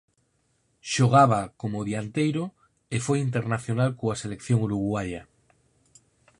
Xogaba como dianteiro e foi internacional coa selección uruguaia.